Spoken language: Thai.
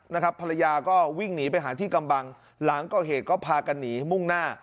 ภรรยาก็วิ่งหนีไปหาที่กำบังหลังก่อเหตุก็พากันหนีมุ่งหน้า